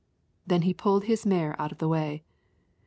Then he pulled his mare out of the way.